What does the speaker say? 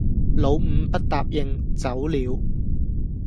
老五不答應，走了；